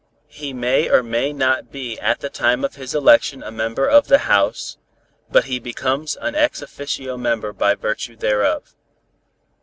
He may or may not be at the time of his election a member of the House, but he becomes an ex officio member by virtue thereof.